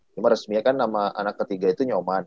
cuma resmi kan anak ketiga itu nyoman